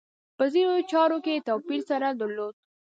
په ځینو چارو کې توپیر سره درلود.